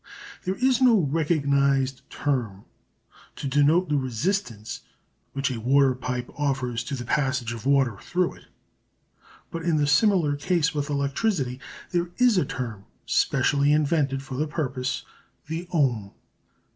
There is no recognised term to denote the resistance which a water pipe offers to the passage of water through it, but in the similar case with electricity there is a term specially invented for the purpose, the ohm.